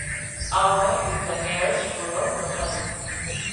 Alga is the nearest rural locality.